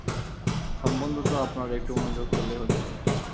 সম্বন্ধ তো আপনারা একটু মনোযোগ করলেই হতে পারে।